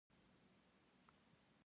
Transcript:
ګاز د سون توکی دی